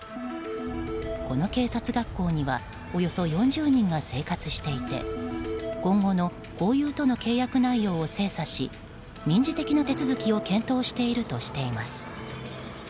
この警察学校にはおよそ４０人が生活していて今後、ホーユーとの契約内容を精査し民事的な手続きを検討しているとしています。